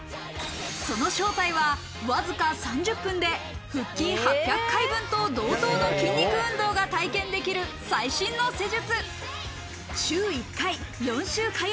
その正体はわずか３０分で腹筋８００回分と同等の筋肉運動が体験できる最新の施術。